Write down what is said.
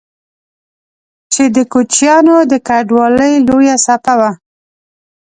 چې د کوچيانو د کډوالۍ لويه څپه وه